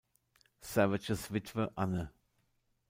Savages Witwe Anne.